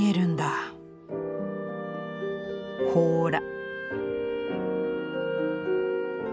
ほら」。